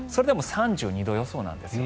３２度予想なんです。